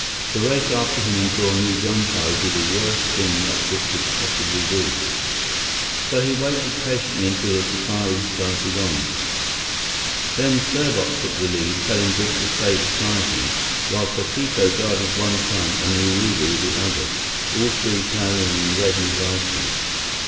To race after him and draw new gunfire would be the worst thing that Biff could possibly do. So he waited patiently until the safari started on. Then Serbot took the lead, telling Biff to stay beside him, while Pepito guarded one flank and Urubu the other, all three carrying ready rifles.